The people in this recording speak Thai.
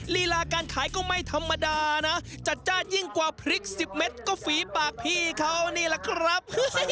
ลีลาการขายก็ไม่ธรรมดานะจัดจ้านยิ่งกว่าพริก๑๐เม็ดก็ฝีปากพี่เขานี่แหละครับ